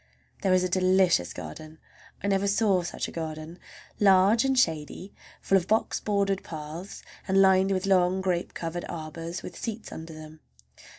There is a delicious garden! I never saw such a garden—large and shady, full of box bordered paths, and lined with long grape covered arbors with seats under them.